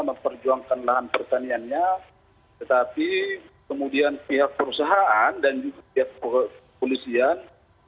memperjuangkan lahan pertaniannya tetapi kemudian pihak perusahaan dan juga pihak kepolisian